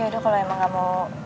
ya udah kalo emang gak mau